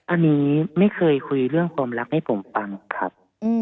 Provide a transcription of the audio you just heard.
อันนี้ไม่เคยคุยเรื่องความรักให้ผมฟังครับ